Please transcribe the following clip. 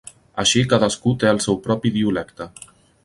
Així cadascú té el seu propi idiolecte.